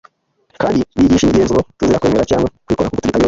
kandi bigisha imigenzo tuzira kwemera cyangwa kuyikora, kuko turi Abaroma.